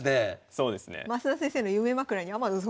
そうですね。